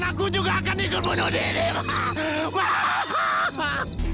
anakku juga akan ikut membunuh diri ma